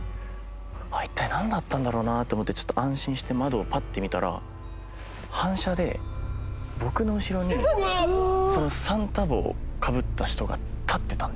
一体なんだったんだろうな？と思って安心して窓をパッて見たら反射で僕の後ろにそのサンタ帽をかぶった人が立ってたんですよ。